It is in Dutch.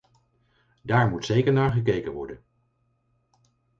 Daar moet zeker naar gekeken worden.